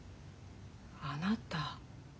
あなた。